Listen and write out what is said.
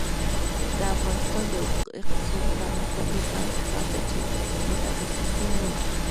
د افغانستان د اقتصادي پرمختګ لپاره پکار ده چې متخصصین وي.